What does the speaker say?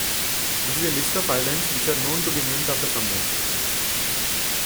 This is a list of islands, which are known to be named after someone.